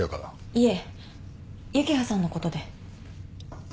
いえ幸葉さんのことで。